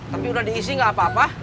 tapi udah diisi gak apa apa